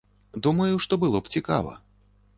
Думаю, што было б цікава.